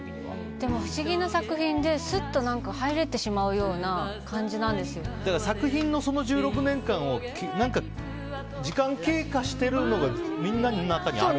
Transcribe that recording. でも、不思議な作品でスッと入れてしまうような作品の１６年間を何か、時間経過しているのがみんなの中にある。